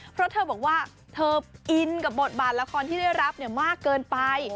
เพราะเธอบอกว่าเธออินกับบทบาทละครที่ได้รับมากเกินไป